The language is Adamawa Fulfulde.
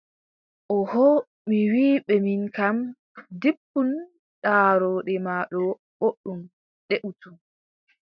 Ooho mi wii ɓe min kam, jippun daarooɗe ma ɗo booɗɗum, deʼutu.